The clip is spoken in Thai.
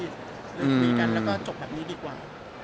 เริ่มดีกันแล้วก็จบแบบนี้ดีกว่า